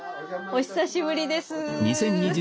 お久しぶりです。